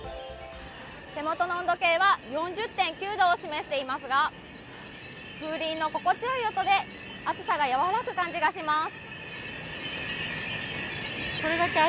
手元の温度計は４０．９度を示していますが風鈴の心地よい音で暑さが和らぐ感じがします。